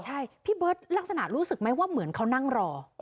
ใช่พี่เบิร์ตลักษณะรู้สึกไหมว่าเหมือนเขานั่งรอ